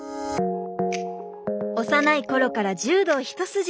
幼い頃から柔道一筋。